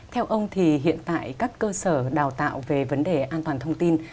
theo ông thì hiện tại các cơ sở đào tạo về vấn đề an toàn thông tin